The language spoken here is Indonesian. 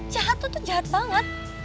jahat lo tuh jahat banget